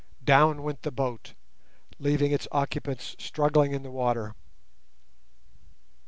Down went the boat, leaving its occupants struggling in the water.